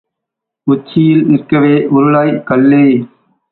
உச்சியில் நிற்கவே உருளாய் கல்லே!